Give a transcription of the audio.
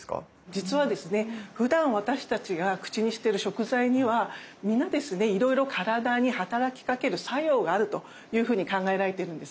実はですねふだん私たちが口にしてる食材には皆ですねいろいろ体にはたらきかける作用があるというふうに考えられてるんですね。